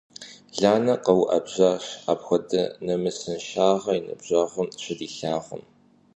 Ланэ къэуӀэбжьащ, апхуэдэ нэмысыншагъэ и ныбжьэгъум щыдилъагъум.